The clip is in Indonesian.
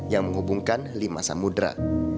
yang menghubungkan lima samudera